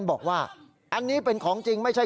สายลูกไว้อย่าใส่